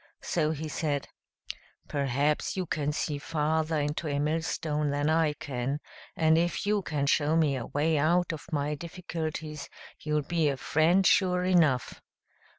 So he said, "Perhaps you can see farther into a millstone than I can, and if you can show me a way out of my difficulties you'll be a friend sure enough."